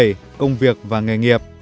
điều hai mươi bảy công việc và nghề nghiệp